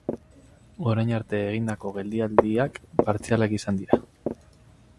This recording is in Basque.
Orain arte egindako geldialdiak partzialak izan dira.